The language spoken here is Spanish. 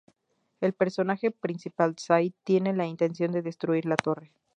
El personaje principal, Syd, tiene la intención de destruir la Torre.